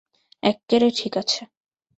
এক্কেরে ঠিক আছে!